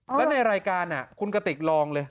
แล้วในรายการคุณกติกลองเลย